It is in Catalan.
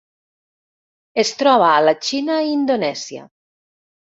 Es troba a la Xina i Indonèsia.